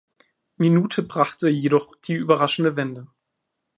Minute brachte jedoch die überraschende Wende.